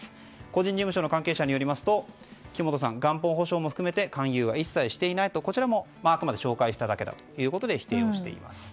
個人事務所の関係者によりますと木本さんは元本保証も含めて勧誘は一切していないとこちらもあくまで紹介しただけだということで否定しています。